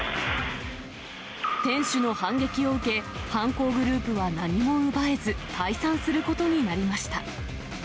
店主の反撃を受け、犯行グループは何も奪えず、退散することになりました。